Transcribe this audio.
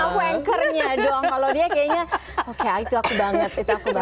ah wankernya doang kalau dia kayaknya oke itu aku banget itu aku banget